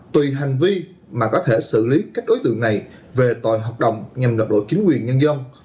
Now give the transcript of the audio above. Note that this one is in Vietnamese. tùy hành vi mà có thể xử lý các đối tượng này về tòi hoạt động nhằm đạt độ chính quyền nhân dân